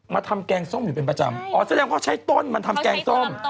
ทำแกงส้มอยู่เป็นประจำอ๋อแสดงว่าใช้ต้นมาทำแกงส้ม